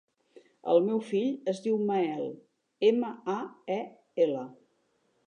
El meu fill es diu Mael: ema, a, e, ela.